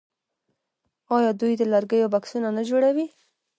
آیا دوی د لرګیو بکسونه نه جوړوي؟